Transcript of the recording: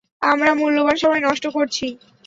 আমরা মূল্যবান সময় নষ্ট করছি।